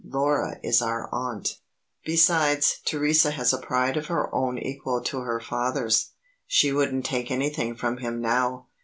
(Laura is our aunt.) "Besides, Theresa has a pride of her own quite equal to her father's. She wouldn't take anything from him now.